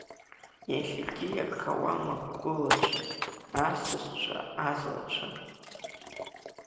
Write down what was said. Иахьагьы иагхауам агәылацәа, асасцәа, азлацәа.